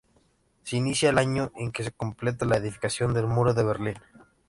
Se inicia el año en que se completa la edificación del muro de Berlín.